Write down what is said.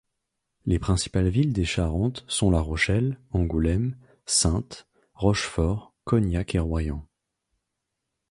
Les principales villes des Charentes sont La Rochelle, Angoulême, Saintes, Rochefort, Cognac et Royan.